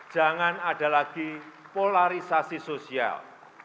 jangan ada lagi polarisasi sosial